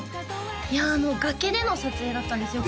いや崖での撮影だったんですよ